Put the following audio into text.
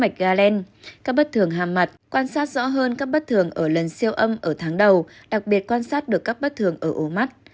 các bất thường hàm mặt quan sát rõ hơn các bất thường ở lần siêu âm ở tháng đầu đặc biệt quan sát được các bất thường ở ố mắt